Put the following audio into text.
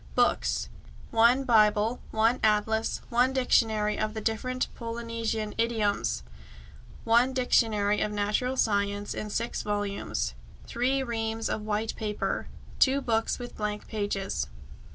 Books: 1 Bible, 1 atlas, 1 dictionary of the different Polynesian idioms, 1 dictionary of natural science, in six volumes; 3 reams of white paper, 2 books with blank pages.